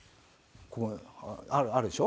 ここあるでしょ？